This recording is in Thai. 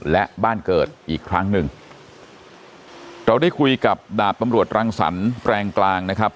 และบ้านเกิดอีกครั้งหนึ่งเราได้คุยกับดาบตำรวจรังสรรค์แปลงกลางนะครับ